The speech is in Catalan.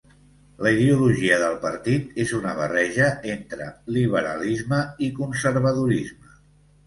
La ideologia del partit és una barreja entre liberalisme i conservadorisme.